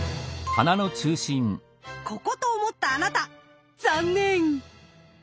ここと思ったあなた残念。